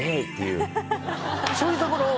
そういうところを。